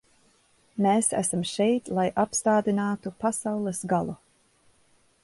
Mēs esam šeit, lai apstādinātu pasaules galu.